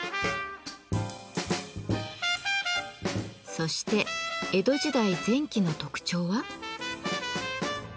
そして江戸時代前期の特徴は？